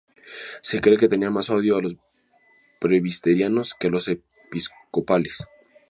Se cree que tenían más odio a los presbiterianos que a los episcopales.